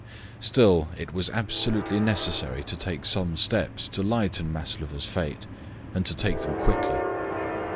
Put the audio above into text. Still, it was absolutely necessary to take some steps to lighten Maslova's fate, and to take them quickly.